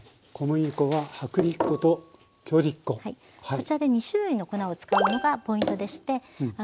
こちらで２種類の粉を使うのがポイントでして本場